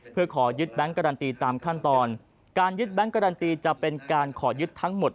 เพื่อขอยึดแบงค์การันตีตามขั้นตอนการยึดแก๊งการันตีจะเป็นการขอยึดทั้งหมด